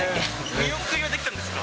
見送りはできたんですか？